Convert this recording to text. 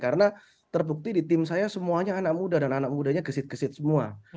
karena terbukti di tim saya semuanya anak muda dan anak mudanya gesit gesit semua